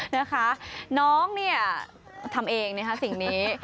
นะคะน้องเนี่ยทำเองนะคะสิ่งนี้